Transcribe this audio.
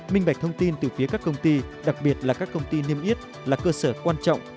minh bạch thông tin từ phía các công ty đặc biệt là các công ty niêm yết là cơ sở quan trọng